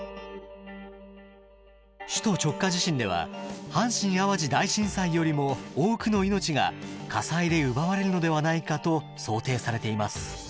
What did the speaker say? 首都直下地震では阪神・淡路大震災よりも多くの命が火災で奪われるのではないかと想定されています。